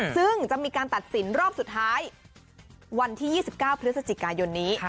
ซึ่งจะมีการตัดสินรอบสุดท้ายวันที่๒๙พฤศจิกายนนี้